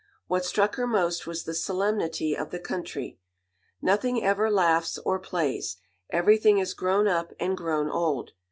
What struck her most was the solemnity of the country. "Nothing ever laughs or plays. Everything is grown up and grown old."